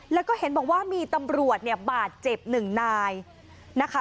แล้วก็เห็นบอกว่ามีตำรวจเนี่ยบาดเจ็บหนึ่งนายนะคะ